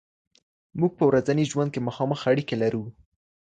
موږ په ورځني ژوند کې مخامخ اړیکې لرو.